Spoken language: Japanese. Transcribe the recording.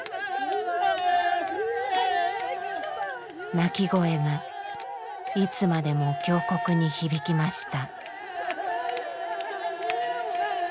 泣き声がいつまでも峡谷に響きました。